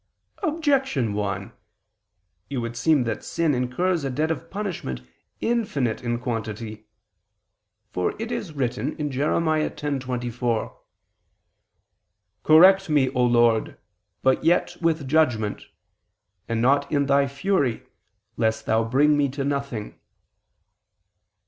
Objection 1: It would seem that sin incurs a debt of punishment infinite in quantity. For it is written (Jer. 10:24): "Correct me, O Lord, but yet with judgment: and not in Thy fury, lest Thou bring me to nothing."